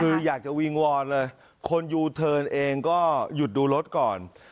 คืออยากจะวิงวอนเลยคนยูเทิร์นเองก็หยุดดูรถก่อน